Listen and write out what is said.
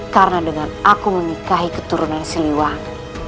karena dengan aku menikahi keturunan si luang